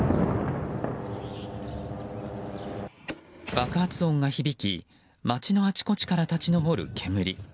爆発音が響き街のあちこちから立ち上る煙。